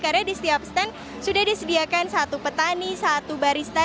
karena di setiap stand sudah disediakan satu petani satu barista